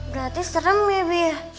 berarti serem ya bi